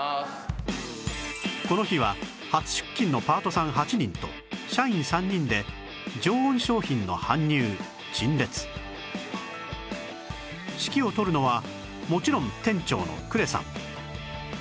この日は初出勤のパートさん８人と社員３人で常温商品の搬入陳列指揮を執るのはもちろん店長の呉さん